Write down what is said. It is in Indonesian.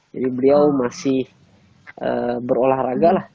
jadi beliau masih berolahraga lah